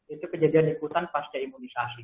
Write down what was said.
itu kejadian ikutan pasca imunisasi